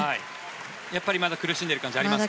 やっぱりまだ苦しんでる感じありますか。